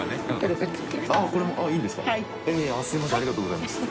呂ぁありがとうございます。